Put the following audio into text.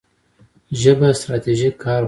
ژبه ستراتیژیک کار غواړي.